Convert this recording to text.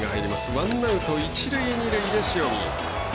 ワンアウト、一塁二塁で塩見。